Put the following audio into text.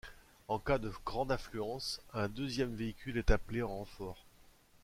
En cas de grande affluence, un deuxième véhicule est appelé en renfort.